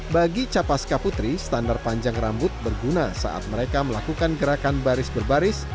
bagi capas kaputri standar panjang rambut berguna saat mereka melakukan gerakan baris baris